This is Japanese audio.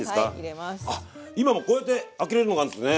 あ今もうこうやって開けれるのがあるんですね。